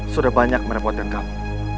sudah banyak merepotkan kamu